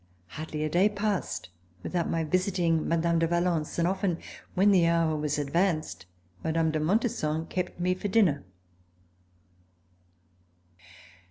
Hardly a day passed without my visiting Mme. de Valence, and often when the hour was advanced, Mme. de Montesson kept me for dinner.